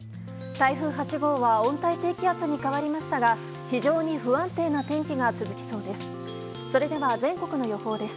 台風８号は温帯低気圧に変わりましたが非常に不安定な天気が続きそうです。